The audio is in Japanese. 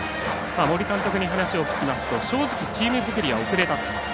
森監督に話を聞きますと正直、チーム作りは遅れたと。